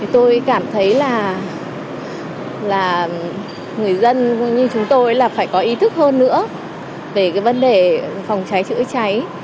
tôi cảm thấy là người dân như chúng tôi là phải có ý thức hơn nữa về cái vấn đề phòng cháy chữa cháy